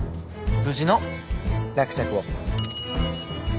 無事の落着を。